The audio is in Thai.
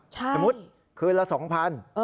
เฉพาะคืนละ๒๐๐๐บาท